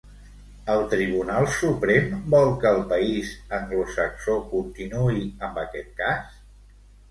El Tribunal Suprem vol que el país anglosaxó continuï amb aquest cas?